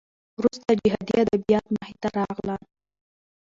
وروسته جهادي ادبیات مخې ته راغلل.